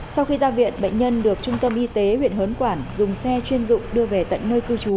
sau khi ra viện bệnh nhân được trung tâm y tế huyện hớn quản dùng xe chuyên dụng đưa về tận nơi cư trú